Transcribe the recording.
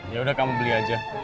yaudah kamu beli aja